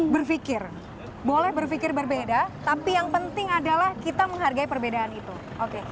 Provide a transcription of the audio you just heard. berpikir boleh berpikir berbeda tapi yang penting adalah kita menghargai perbedaan itu oke